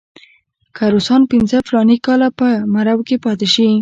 که روسان پنځه فلاني کاله په مرو کې پاتې شي.